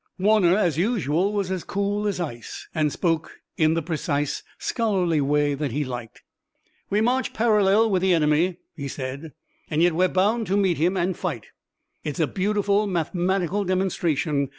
Warner as usual was as cool as ice, and spoke in the precise, scholarly way that he liked. "We march parallel with the enemy," he said, "and yet we're bound to meet him and fight. It's a beautiful mathematical demonstration.